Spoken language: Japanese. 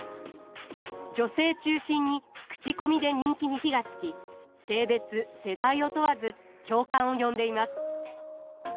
女性中心に口コミで人気に火がつき性別世代を問わず共感を呼んでいます。